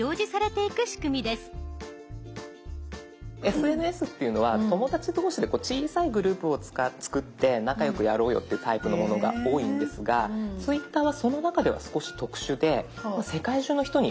ＳＮＳっていうのは友達同士で小さいグループを作って仲良くやろうよっていうタイプのものが多いんですがツイッターはその中では少し特殊で世界中の人に。